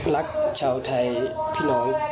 รักชาวไทยพี่น้อง